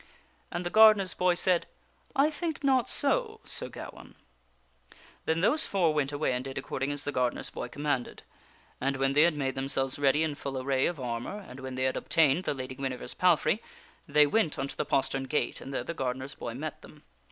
And the gardener's boy said :" I think not so, Sir Gawaine." Then those four went away and did according as the gardener's boy commanded. And when they had made themselves ready in full array of armor, and when they had obtained the Lady Guinevere's palfrey, they went unto the postern gate and there the gardener's boy met them.